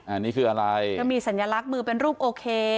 อันนี้คืออะไรก็มีสัญลักษณ์มือเป็นรูปโอเค